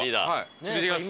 ちょっと行ってきます。